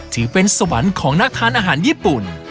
ถือเป็นสวรรค์ของนักทานอาหารญี่ปุ่น